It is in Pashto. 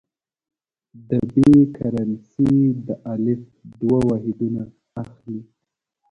د ب کرنسي د الف دوه واحدونه اخلي.